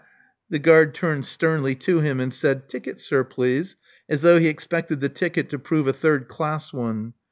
The giiard turned sternly to him, and said, Ticket, sir, please," as though he expected the ticket to prove a third class one.